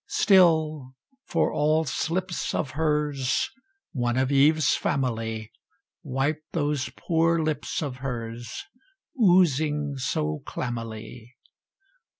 Still, for all slips of hers, One of Eve's family Wipe those poor lips of hers Oozing so clammily.